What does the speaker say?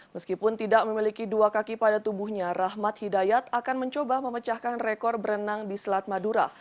meskipun tidak memiliki dua kaki pada tubuhnya rahmat hidayat akan mencoba memecahkan rekor berenang di selat madura